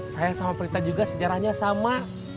sayang sama prita juga sejarahnya sama